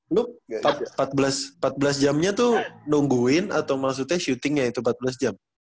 lu empat belas jamnya tuh nungguin atau maksudnya syutingnya itu empat belas jam